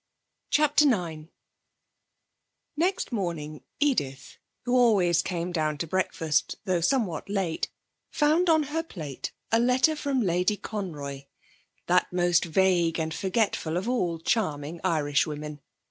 CHAPTER IX Next morning Edith, who always came down to breakfast, though somewhat late, found on her plate a letter from Lady Conroy, that most vague and forgetful of all charming Irishwomen.